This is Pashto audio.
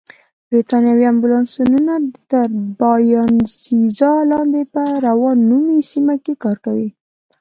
بریتانوي امبولانسونه تر باینسېزا لاندې په راون نومي سیمه کې کار کوي.